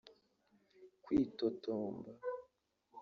Kwitotomba